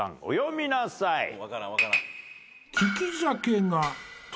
お詠みなさい。